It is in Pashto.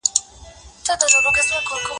نذرانه سترګي در لېږمه بینا نه راځمه